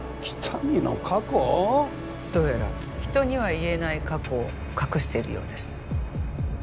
どうやら人には言えない過去を隠しているようです